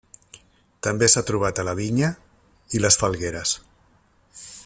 També s'ha trobat a la vinya i les falgueres.